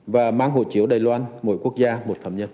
và mang hồ chiếu đài loan mỗi quốc gia một phạm nhân